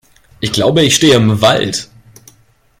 Ich glaube, ich stehe im Wald!